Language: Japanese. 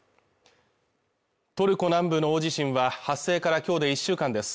トルコ南部の大地震は発生からきょうで１週間です